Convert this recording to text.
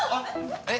えっ？